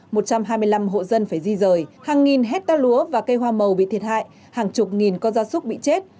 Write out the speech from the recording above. một trăm hai mươi năm hộ dân phải di rời hàng nghìn hecta lúa và cây hoa màu bị thiệt hại hàng chục nghìn con da súc bị chết